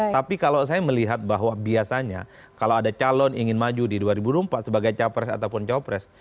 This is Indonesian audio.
tapi kalau saya melihat bahwa biasanya kalau ada calon ingin maju di dua ribu dua puluh empat sebagai capres ataupun copres